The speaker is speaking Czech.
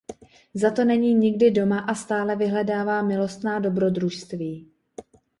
Zato není nikdy doma a stále vyhledává milostná dobrodružství.